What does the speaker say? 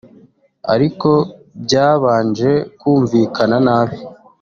ariko byabanje kumvikana nabi